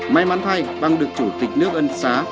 may mắn thay bằng được chủ tịch nước ân xá